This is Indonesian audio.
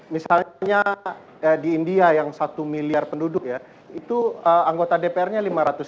misalnya di india yang satu miliar penduduk anggota dpr nya lima ratus lima puluh dua